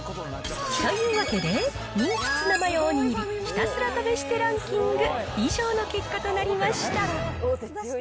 というわけで、人気ツナマヨおにぎりひたすら試してランキング、以上の結果となりました。